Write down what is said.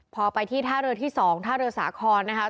พอไปที่ท่าเรือที่๒ท่าเรือสาครนะคะ